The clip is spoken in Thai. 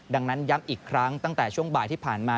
ดังนั้นย้ำอีกครั้งตั้งแต่ช่วงบ่ายที่ผ่านมา